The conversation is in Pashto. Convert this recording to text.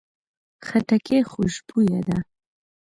خټکی خوشبویه ده.